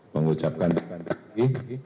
mengucapkan terima kasih